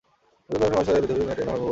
মজুমদার মহাশয়ের বিধবা মেয়েটির নাম হৈমবতী।